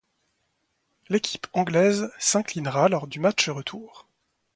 L'équipe anglaise s'inclinera lors du match retour.